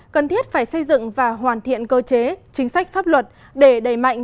cần thiết phải xây dựng và hoàn thiện cơ chế chính sách pháp luật để đẩy mạnh